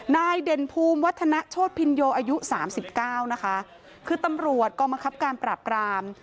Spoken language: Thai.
เด่นภูมิวัฒนโชธพินโยอายุสามสิบเก้านะคะคือตำรวจกองบังคับการปราบราม